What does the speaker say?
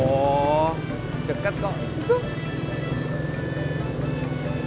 oh deket kok itu